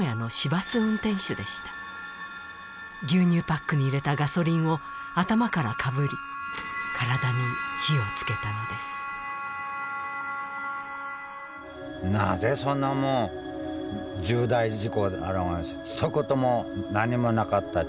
牛乳パックに入れたガソリンを頭からかぶり体に火をつけたのですなぜそんなもん重大事故ひと言も何もなかったって。